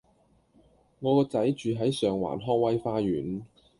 我個仔住喺上環康威花園